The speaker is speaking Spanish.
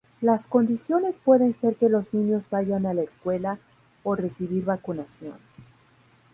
Las condiciones pueden ser que los niños vayan a la escuela o recibir vacunación.